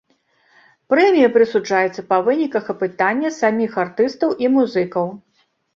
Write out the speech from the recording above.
Прэмія прысуджаецца па выніках апытання саміх артыстаў і музыкаў.